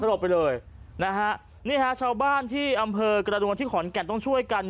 หลบไปเลยนะฮะนี่ฮะชาวบ้านที่อำเภอกระนวลที่ขอนแก่นต้องช่วยกัน